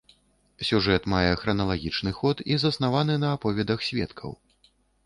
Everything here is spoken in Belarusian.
Сюжэт мае храналагічны ход і заснаваны на аповедах сведкаў.